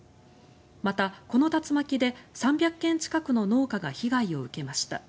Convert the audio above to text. また、この竜巻で３００軒近くの農家が被害を受けました。